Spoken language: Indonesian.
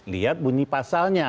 lihat bunyi pasalnya